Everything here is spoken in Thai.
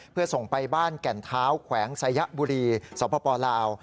เพื่อส่งไปบ้านแก่นเท้าแขวงสายบุรีสปลาว